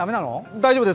大丈夫です。